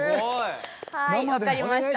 はい分かりました。